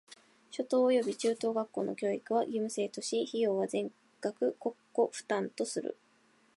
初等および中等学校の教育は義務制とし、費用は全額国庫負担とする。